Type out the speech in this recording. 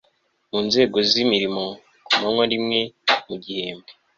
mu nzego z'imirimo ku manywa rimwe mu gihembwe